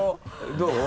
どう？